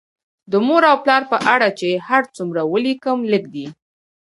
د مور او پلار په اړه چې هر څومره ولیکم لږ دي